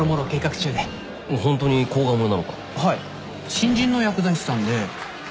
新人の薬剤師さんで。